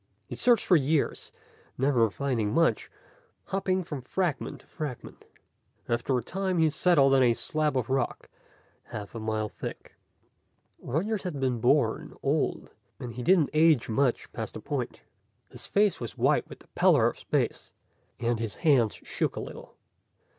He searched for years, never finding much, hopping from fragment to fragment. After a time he settled on a slab of rock half a mile thick. Rogers had been born old, and he didn't age much past a point. His face was white with the pallor of space, and his hands shook a little.